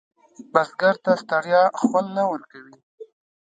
بزګر ته ستړیا خوند نه ورکوي